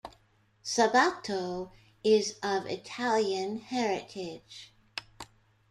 Sabato is of Italian heritage.